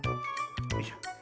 よいしょ。